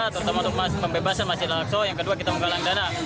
yang kedua untuk membebaskan masjid al aqsa yang kedua kita menggalang dana